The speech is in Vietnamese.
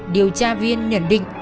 điều tra viên nhận định